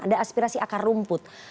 ada aspirasi akar rumput